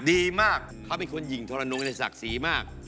ดีมากเขาเป็นคนหญิงทรนงในศักดิ์ศรีมาก